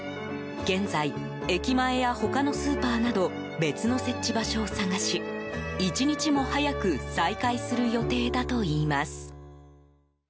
現在、駅前や他のスーパーなど別の設置場所を探し１日も早く再開する予定だといいます。